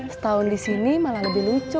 setahun disini malah lebih lucu